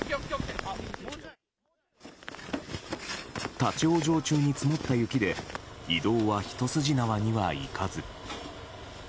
立ち往生中に積もった雪で移動は一筋縄にはいかず。